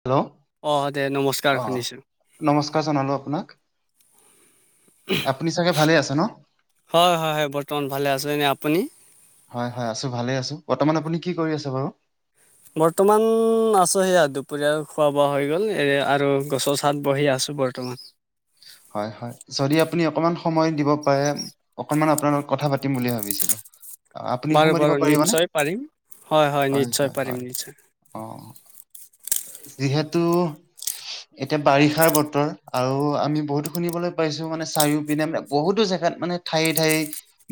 Hello অঁ দে নমস্কাৰ শুনিছোঁ। নমস্কাৰ জনালোঁ আপোনাক, আপুনি চাগে ভালে আছে ন? হয় হয় হয় বৰ্তমান ভালে আছোঁ। এনে আপুনি? হয় হয় আছোঁ ভালে আছোঁ, বৰ্তমান আপুনি কি কৰি আছে বাৰু? বৰ্তমান আছোঁ সেয়া দুপৰীয়াৰ খোৱা বোৱা হৈ গ'ল, এ আৰু গছৰ ছাঁত বহি আছোঁ বৰ্তমান। হয় হয় যদি আপুনি অকণমান সময় দিব পাৰে? অকণমান আপোনাৰ লগত কথা পাতিম বুলি ভাবিছিলোঁ। আপুনি বাৰু সময় দিব বাৰু পাৰিবনে? নিশ্চয় পাৰিম হয় নিশ্চয় হয় পাৰিম হয় নিশ্চয় অ যিহেতু এতিয়া বাৰিষাৰ বতৰ, আৰু আমি বহুতো শুনিবলৈ পাইছোঁ মানে চাৰিওঁ পিনে মানে বহুতো জেগাত মানে ঠাইয়ে ঠাইয়ে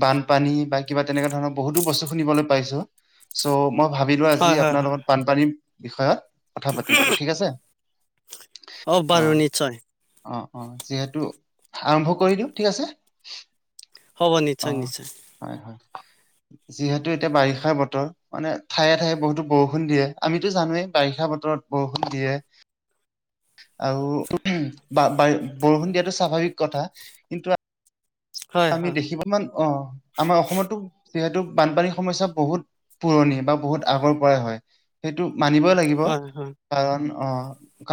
বানপানী বা কিবা তেনেকুৱা ধৰণৰ বহুতো বস্তু শুনিবলৈ পাইছোঁ। চ' মই ভাবিলোঁ হয় আজি হয় আপোনাৰ হয় লগত বানপানীৰ বিষয়ত কথা পাতিম বুলি, ঠিক আছে? অ বাৰু নিশ্চয়। অ অ, যিহেতু আৰম্ভ কৰি দিওঁ, ঠিক আছে। হ'ব, অ নিশ্চয় নিশ্চয়। হয় হয়। যিহেতু এতিয়া বাৰিষাৰ বতৰ। মানে ঠাইয়ে ঠাইয়ে বহুতো বৰষুণ দিয়ে। আমিতো জানোৱে বাৰিষা বতৰত বৰষুণ দিয়ে। আও বৰষুণ দিয়াটো স্বাভাৱিক কথা কিন্তু হয় আমি হয় দেখিব ইমান অ। আমাৰ অসমতো যিহেতু বানপানীৰ সমস্যা বহুত পুৰণি বা বহুত আগৰ পৰাই হয়। সেইটো মানিবই লাগিব। হয় কাৰণ অ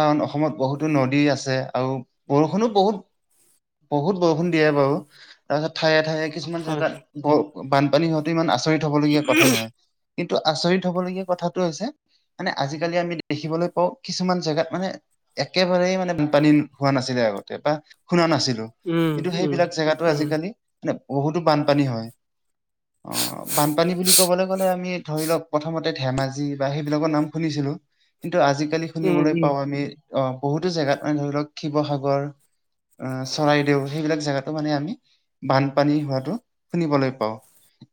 কাৰণ অসমত বহুতো নদী আছে আৰু বৰষুণো বহুত। বহুত বৰষুণ দিয়ে বাৰু। তাৰপিছত ঠাইয়ে ঠাইয়ে কিছুমান হয় জেগাত হয় বৰ বানপানী হোৱাটো ইমান আচৰিত হবলগীয়া কথা নহয়। কিন্তু আচৰিত হবলগীয়া কথাটো হৈছে। মানে আজিকালি আমি দেখিবলৈ পাওঁ। কিছুমান জেগাত মানে একেবাৰেই মানে বানপানী হোৱা নাছিলে আগতে বা শুনা নাছিলোঁ। উম কিন্তু উম সেইবিলাক জেগাতো উম আজিকালি মানে বহুতো বানপানী হয়। অ, বানপানী বুলি ক'বলে গ'লে আমি ধৰি লওঁক, প্ৰথমতে ধেমাজি বা সেইবিলাকৰ নাম শুনিছিলোঁ। কিন্তু আজিকালি উম উম শুনিবলৈ পাওঁ আমি অহ বহুতো জেগাত মানে ধৰি লওঁক, শিৱসাগৰ আহ চৰাইদেউ সেইবিলাক জেগাতো মানে আমি বানপানী হোৱাটো শুনিবলৈ পাওঁ।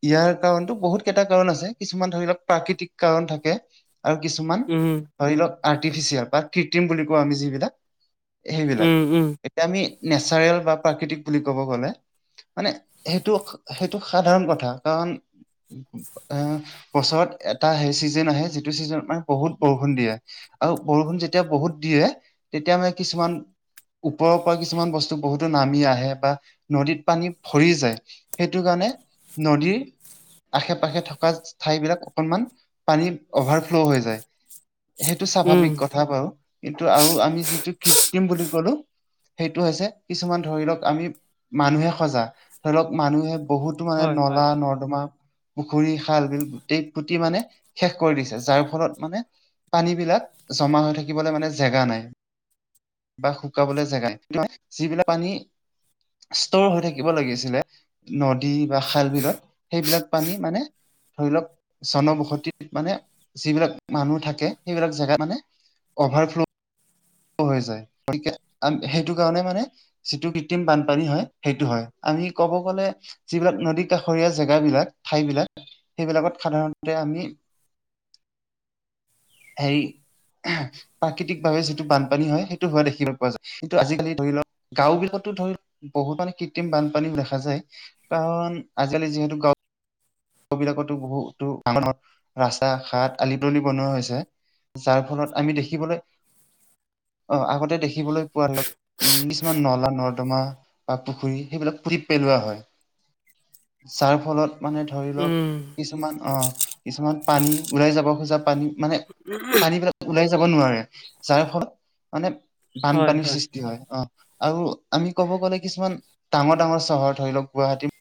ইয়াৰ কাৰণটো বহুত কেইটা কাৰন আছে। কিছুমান ধৰি লওঁক, প্ৰাকৃতিক কাৰণ থাকে আৰু কিছুমান উম। ধৰি লওঁক আৰ্টিফিচিয়েল বা কৃত্ৰিম বুলি কওঁ আমি যিবিলাক, সেইবিলাক। উম উম এতিয়া আমি নেচাৰেল বা প্ৰাকৃতিক বুলি ক'ব গ'লে। মানে সেইটো সেইটো সাধাৰণ কথা কাৰণ। এ বছৰত এটা সেই ছিজেন আহে, যিটো ছিজন মানে বহুত বৰষুণ দিয়ে। আৰু বৰষুণ যেতিয়া বহুত দিয়ে, তেতিয়া মানে কিছুমান ওপৰ পৰা কিছুমান বস্তু বহুতো নামি আহে বা নদীত পানী ভৰি যায়। সেইটো কাৰণে নদীৰ আশে পাশে থকা ঠাই বিলাক অকনমান পানী অভাৰ ফ্ল' হৈ যায়। সেইটো উম স্বাভাৱিক কথা বাও। কিন্তু আৰু আমি যিটো কৃত্ৰিম বুলি কলো। সেইটো হৈছে কিছুমান ধৰি লওক আমি মানুহে সজা। ধৰি লওক মানুহে বহুতো মানে হয় হয় নলা নৰ্দমা পুখুৰী, খাল, বিল গোটেই গুটি মানে শেষ কৰি দিছে। যাৰ ফলত মানে পানী বিলাক জমা হৈ থাকিবলে মানে জেগা নাই। বা শুকাবলে জেগায় [unintelligible] যিবিলাক পানী ষ্টৰ হৈ থাকিব লাগিছিলে, নদী বা খাল বিলত। সেইবিলাক পানী মানে ধৰি লওক, চনবসতিত মানে যিবিলাক মানুহ থাকে। সেইবিলাক জেগা মানে অভাৰ ফ্ল' হৈ যায়। গতিকে আ সেইটো কাৰণে মানে যিটো কৃত্ৰিম বানপানী হয়, সেইটো হয়। আমি ক'ব গ'লে যিবিলাক নদী কাষৰীয়া জেগাবিলাক ঠাই বিলাক, সেইবিলাকত সাধাৰণতে আমি সেই প্ৰাকৃতিক ভাৱে যিটো বানপানী হয়। সেইটো হোৱা দেখিব পোৱা যায়। কিন্তু আজিকালি ধৰি লওক, গাঁও বিলাকতো ধৰি বহুত মানে কৃত্ৰিম বানপানীও দেখা যায় কাৰণ আজিকালি যিহেতু গাঁও বিলাকতো বহুতো [unintelligible] ৰাস্তা ঘাট, আলি তলি বনোৱা হৈছে। যাৰ ফলত আমি দেখিবলে অ, আগতে দেখিবলৈ পোৱা ন উম, কিছুমান নলা নৰ্দমা বা পুখুৰী সেইবিলাক পুতি পেলোৱা হয়। যাৰ ফলত মানে ধৰি লওক, উম কিছুমান অ কিছুমান পানী ওলাই যাব খোজা পানী মানে, পানী বিলাক ওলাই যাব নোৱাৰে, যাৰ ফলত মানে বানপানীৰ সৃষ্টি হয়, অ। আৰু আমি ক'ব গ'লে কিছুমান ডাঙৰ ডাঙৰ চহৰ ধৰি লওক গুৱাহাটী,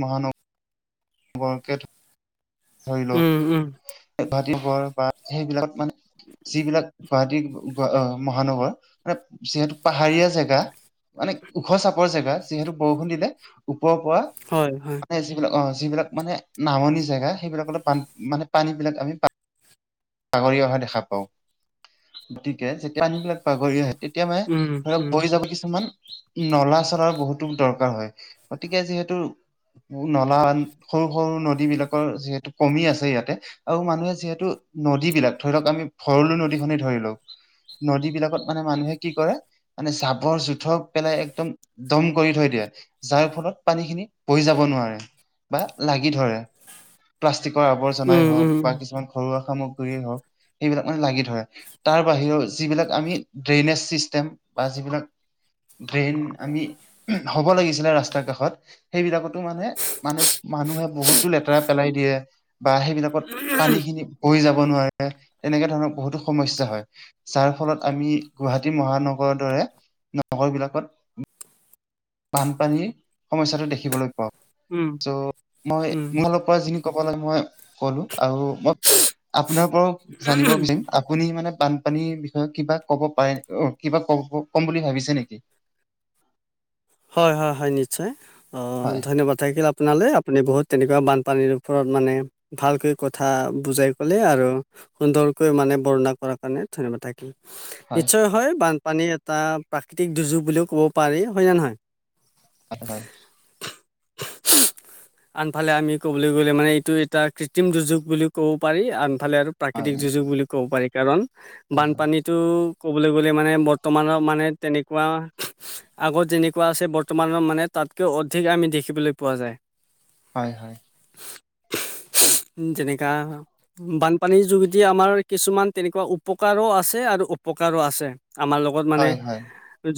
মহানগ গৰকে ধৰি উম উম লওক, [unintelligible] সেইবিলাক মানে যিবিলাক গুৱাহাটী মহানগৰ মানে যিহেতু পাহাৰীয়া জেগা, মানে ওখ চাপৰ জেগা যিহেতু বৰষুণ দিলে ওপৰৰ পৰা, হয় হয়। সিবিলাক অ যিবিলাক মানে নামনি জেগা, সেইবিলাকলে পান মানে পানী বিলাক আমি বাগৰি অহা দেখা পাওঁ। গতিকে যেতিয়া পানীবিলাক বাগৰি আহে তেতিয়া মানে উম ধৰক উম উম বৈ যাব কিছুমান, নলা চলাৰ বহুতো দৰকাৰ হয়, গতিকে যিহেতু নলা সৰু সৰু নদী বিলাকৰ যিহেতু কমি আছে ইয়াতে, আৰু মানুহে যিহেতু নদীবিলাক ধৰি লওক আমি ভৰলু নদীখনেই ধৰি লও, নদী বিলাকত মানে মানুহে কি কৰে, মানে চাবৰ জোথৰ পেলাই একদম দম কৰি থৈ দিয়ে। যাৰ ফলত পানী খিনি বৈ যাব নোৱাৰে বা লাগি ধৰে। প্লাষ্টিকৰ আৱৰ্জনাই উম হওক উম বা কিছুমান ঘৰুৱা সামগ্ৰী হওক সেইবিলাক মানে লাগি ধৰে। তাৰ বাহিৰেও যিবিলাক আমি ড্ৰেইনেছ চিষ্টেম বা যিবিলাক ড্ৰেইন আমি হ'ব লাগিছিলে ৰাস্তাৰ কাষত সেইবিলাকতো মানে মানে মানুহে বহুতো লেতেৰা পেলাই দিয়ে বা সেইবিলাকত পানী উম, খিনি বৈ যাব নোৱা ৰে, তেনেকে ধৰণৰ বহুতো সমস্যা হয়। যাৰ ফলত আমি গুৱাহাটী মহানগৰৰ দৰে নগৰ বিলাকত, বানপানীৰ সমস্যাটো দেখিবলৈ পাওঁ। চ্ মই উম, মোৰ ফালৰ পা যিখিনি ক'ব লাগে মই কলো আৰু মই আপোনাৰ পৰাও জানিব বিচাৰিম। আপুনি মানে বানপানীৰ বিষয়ে কিবা ক'ব পাৰে অ কিবা কব ক'ম বুলি ভাবিছে নেকি? হয় হয় হয় নিশ্চয়, হয় ধন্যবাদ থাকিল আপ পোনালে, আপুনি বহুত তেনেকুৱা বানপানীৰ ওপৰত মানে ভালকৈ কথা বুজাই ক'লে আৰু সুন্দৰকৈ মানে বৰ্ণনা কৰাৰ কাৰণে ধন্যবাদ থাকিল। নিশ্চয় হয় বানপানীৰ এটা প্ৰাকৃতিক দুৰ্যোগ বুলিও ক'ব পাৰি, হয়নে নহয়? হয় হয়। আনফালে আমি ক'বলৈ গ'লে মানে এইটো এটা কৃত্ৰিম দুৰ্যোগ বুলি ক'ব পাৰি, আনফালে আৰু প্ৰাকৃতিক হয় দুৰ্যোগ বুলিও ক'ব পাৰি, কাৰণ বানপানীত টো ক'বলে গ'লে মানে বৰ্তমানৰ মানে তেনেকুৱা, আগত যেনে কোৱা আছে, বৰ্তমানৰ মানে তাতকৈ অধিক আমি দেখিবলৈ পোৱা যায়। হয় হয়। উম যেনেকা বানপানীৰ যোগেদি আমাৰ কিছুমান তেনেকুৱা উপকাৰো আছে আৰু অপকাৰো আছে। আমাৰ লগত মানে, হয় হয়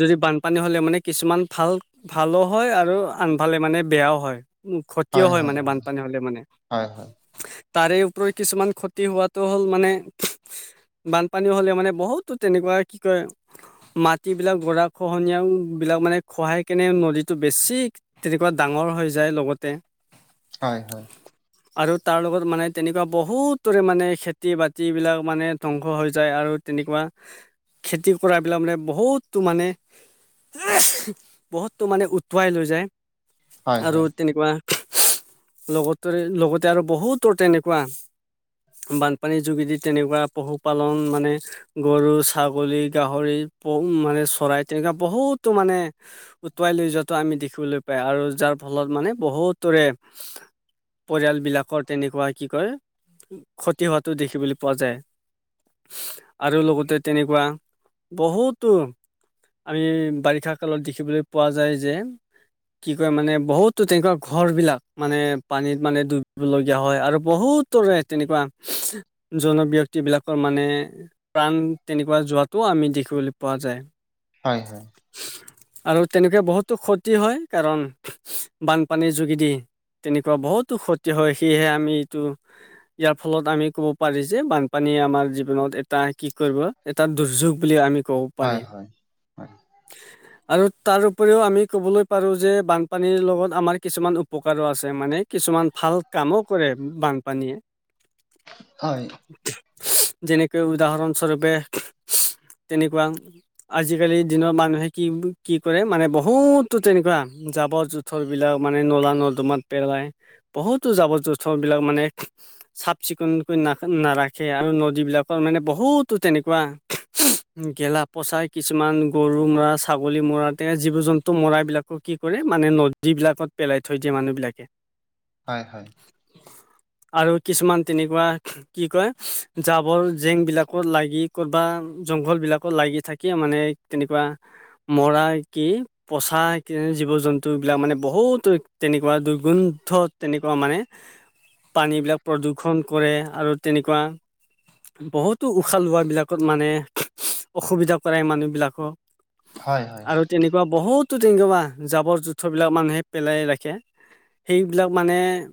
যদি বানপানী হ'লে মানে কিছুমান ভাল, ভালো হয় আৰু আনফালে মানে বেয়াও হয়। ক্ষতিও হয় মানে বানপানী হ'লে মানে হয় হয় তাৰে উপৰিও কিছুমান ক্ষতি হোৱাটো হ'ল মানে বানপানী হ'লে মানে বহুতো তেনেকুৱা কি কয় মাটিবিলাক গৰা খহনীয়া বিলাক মানে খহাই কেনে নদীটো বেছি তেনেকুৱা ডাঙৰ হৈ যায় লগতে হয় হয়। আৰু তাৰ লগত মানে তেনেকুৱা বহুতৰে মানে খেতি বাতি বিলাক মানে ধ্বংস হৈ যায় আৰু তেনেকুৱা খেতি কৰাবিলাক মানে বহুতো মানে [inaudible] বহুতো মানে উটুৱাই লৈ যায় হয় আৰু হয় তেনেকুৱা লগতেৰে লগতে আৰু বহুতৰ তেনেকুৱা, বানপানীৰ যোগেদি তেনেকুৱা পশুপালন মানে গৰু ছাগলী গাহৰি মানে চৰাই তেনেকুৱা বহুতো মানে উটুৱাই লৈ যোৱাটো আমি দেখিবলৈ পাই আৰু যাৰ ফলত মানে বহুতৰে পৰিয়াল বিলাকৰ তেনেকুৱা কি কয় ক্ষতি হোৱাতো দেখিবলৈ পোৱা যায়। আৰু লগতে তেনেকুৱা বহুতো আমি বাৰিষা কালত দেখিবলৈ পোৱা যায় যে কি কয় মানে বহুতো তেনেকুৱা ঘৰবিলাক মানে পানীত মানে ডুবিব লগীয়া হয় আৰু বহুত ৰে তেনেকুৱা জন ব্যক্তি বিলাকৰ মানে [unintelligible] প্ৰাণ তেনেকুৱা যোৱাটো আমি দেখিবলৈ পোৱা যায় হয় হয়। আৰু তেনেকে বহুতো ক্ষতি হয় কাৰণ বানপানীৰ যোগেদি তেনেকুৱা বহুতো ক্ষতি হয় সেয়েহে আমি এইটো ইয়াৰ ফলত আমি ক'ব পাৰি যে বানপানীয়ে আমাৰ জীৱনত এটা কি কৰিব এটা দুৰ্যোগ বুলি আমি কওঁ। হয় হয় হয়। আৰু তাৰ উপৰিও আমি ক'বলৈ পাৰো যে বানপানীৰ লগত আমাৰ কিছুমান উপকাৰো আছে মানে কিছুমান ভাল কামো কৰে বানপানীয়ে হয়। যেনেকৈ উদাহৰণ স্বৰূপে তেনেকুৱা আজিকালি দিনৰ মানুহে কি কি কৰে মানে বহুতো তেনেকুৱা জাবৰ জোথৰ বিলাক মানে নলা নৰ্দমাত পেলাই বহুতো জাবৰ জোথৰ বিলাক মানে চাফ চিকুণকৈ নাৰাখে আৰু নদীবিলাকৰ মানে বহুতো তেনেকুৱা গেলা পচাই কিছুমান গৰু মৰা ছাগলী মৰা তে জীৱ জন্তু মৰাবিলাকো কি কৰে মানে নদী যিবিলাকত পেলাই থৈ দিয়ে মানুহবিলাকে হয় হয়। আৰু কিছুমান তেনেকুৱা কি কয় জাবৰ জেং বিলাকত লাগি কৰবা জংঘল বিলাকো লাগি থাকি মানে তেনেকুৱা মৰা কি পচা জীৱ জন্তুবিলাক মানে বহুত তেনেকুৱা দুৰ্গন্ধ তেনেকুৱা মানে পানী বিলাক প্ৰদূষণ কৰে আৰু তেনেকুৱা বহুতো উশাহ লোৱা বিলাকত মানে অসুবিধা- কৰে মানুহ বিলাকক। হয় হয় আৰু তেনেকুৱা বহুত- [unintelligible] জাবৰ-জোঁথৰবিলাক মানুহে পেলাই ৰাখে। সেইবিলাক মানে-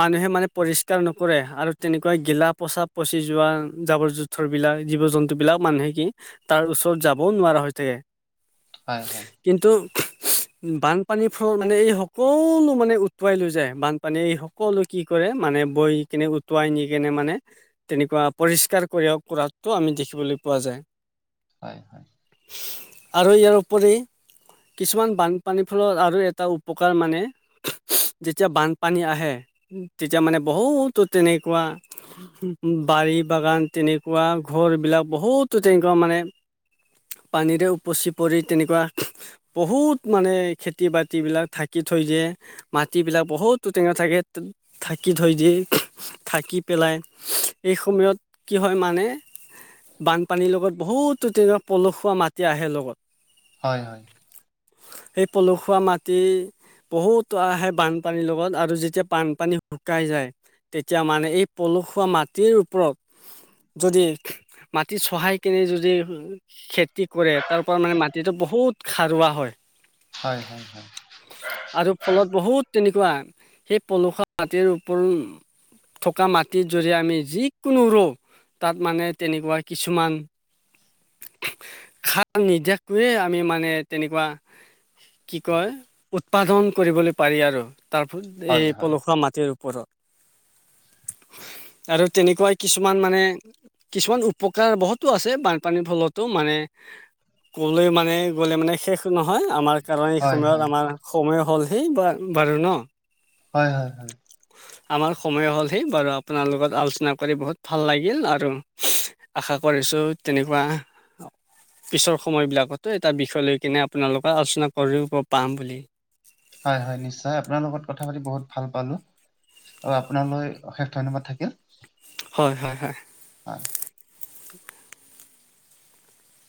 মানুহে মানে পৰিষ্কাৰ নকৰে। আৰু তেনেকুৱা গেলা-পচা পচি যোৱা, জাবৰ-জো - থৰ বিলাক জীৱ-জন্তু বিলাক মানুহে কি, তাৰ ওচৰত যাবও নোৱাৰা হৈ থাকে। হয় হয়। কিন্তু বানপানী ফল মানে এই সকলো মানে উটুৱাই লৈ যায়। বানপানীয়ে এই স সকলো কি কৰে, মানে বৈ কেনে উটুৱাই নি কিনে মানে তেনেকুৱা পৰিষ্কাৰ কৰি, কৰাতটো আমি দেখিবলৈ পোৱা যায়। হয়, হয়। আৰু ইয়াৰ ওপৰি কিছুমান বানপানী ফলৰ আৰু এটা উপকাৰ মানে যেতিয়া বানপানী আহে, তেতিয়া মানে বহুতো তেনেকুৱা বাৰী বাগান তেনেকুৱা ঘৰবিলাক বহুতো তেনেকুৱা মানে পানীৰে উপচি পৰি তেনেকুৱা বহুত মানে খেতি বাতিবিলাক ঢাকি থৈ দিয়ে। মাটিবিলাক বহুত টেঙা থাকে, তে-ঢাকি থৈ দিয়ে। ঢাকি পেলাই, এই সময়ত কি হয় মানে বানপানী লগত বহুতো তেনেকুৱা পলসুৱা মাটি আহে লগত। হয় হয়। সেই পলসুৱা মাটি বহুতো আহে বানপানীৰ লগত, আৰু যেতিয়া বানপানী শুকাই যায় তেতিয়া মানে এই পলসুৱা মাটিৰ ওপৰত যদি মাটি চহাই কিনে যদি খেতি কৰে, তাৰ পৰা মানে মাটিটো বহুত খাৰুৱা হয়। হয় হয় হয়। আৰু ফলত বহুত তেনেকুৱা, সেই পলসুৱা মাটিৰ উপৰিও থকা মাটিত যৰি আমি যি কোনো ৰুওঁ, তাত মানে তেনেকুৱা কিছুমান সাৰ নিদিয়াকৈয়ে আমি মানে তেনেকুৱা কি কয়, উৎপাদন কৰিবলৈ পাৰি আৰু, তাৰ ফ, হয় এই হয় পলসুৱা মাট টিৰ ওপৰত। [inaudible] আৰু তেনেকুৱাই কিছুমান মানে, কিছুমান উপকাৰ বহুতো আছে বানপানীৰ ফলত টো মানে, ক'লে মানে, গ'লে মানে শেষ নহয় আমাৰ কাৰণ, এই হয় হয় সময়ত হয় আমাৰ সময় হ'লহি, বা-বাৰু ন'? হয় হয় হয়। আমাৰ সময় হ'লহি। বাৰু আপোনাৰ লগত আলোচনা কৰি বহুত ভাল লাগিল আৰু আশা কৰিছোঁ তেনেকুৱা পিছৰ সময়বিলাকতো এটা বিষয় লৈ কেনে আপোনালোকে আলোচনা কৰিব পাম বুলি। হয় হয় নিশ্চয়, আপোনাৰ লগত কথা পাতি বহুত ভাল পালোঁ। আৰু আপোনালৈ অশেষ ধন্যবাদ থাকিল। হয় হয় হয়। হয়। [inaudible]